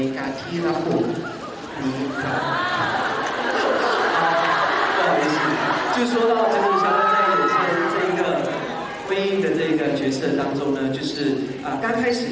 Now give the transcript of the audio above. แต่หากบอกเป็นการที่รับมือนะครับบ้าง